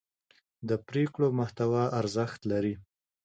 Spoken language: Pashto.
د پرېکړو محتوا ارزښت لري